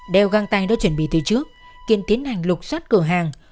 đeo găng tay đã chuẩn bị từ trước kiên tiến hành lục sát cửa hàng